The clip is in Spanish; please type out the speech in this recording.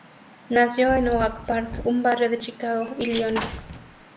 Nació en Oak Park, un barrio de Chicago, Illinois.